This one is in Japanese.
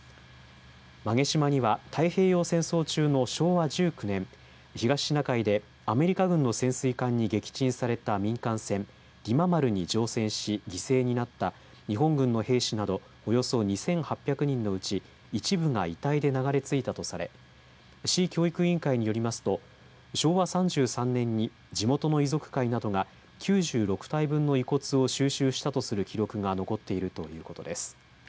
馬毛島には太平洋戦争中の昭和１９年東シナ海でアメリカ軍の潜水艦に撃沈された民間船りま丸に乗船し犠牲になった日本軍の兵士などおよそ２８００人のうち一部が遺体で流れ着いたとされ市教育委員会によりますと昭和３３年に地元の遺族会などが９６体分の遺骨を収集したとする記録が残っているということです。